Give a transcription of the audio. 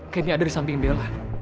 kayaknya ada di samping bella